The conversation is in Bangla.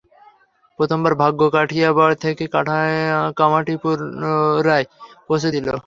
প্রথমবার ভাগ্য কাঠিয়বাড় থেকে কামাঠিপুরায় পৌছে দিলো।